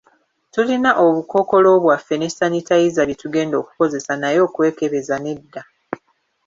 Tulina obukookolo bwaffe, ne sanitayiza bye tugenda okukozesa naye okwekebezeza nedda.